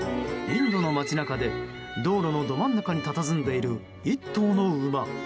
インドの街中で道路のど真ん中にたたずんでいる１頭の馬。